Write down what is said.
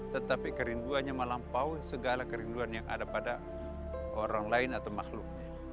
tetapi kerinduannya melampaui segala kerinduan yang ada pada orang lain atau makhluk